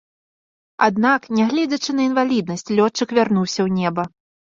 Аднак, нягледзячы на інваліднасць, лётчык вярнуўся ў неба.